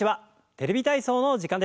「テレビ体操」の時間です。